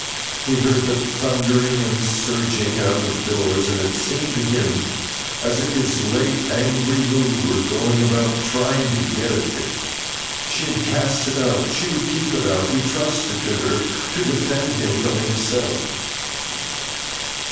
He heard the thundering and surging out of doors, and it seemed to him as if his late angry mood were going about trying to get at him. She had cast it out; she would keep it out; he trusted to her to defend him from himself.